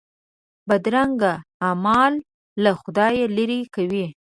بدرنګه اعمال له خدایه لیرې کوي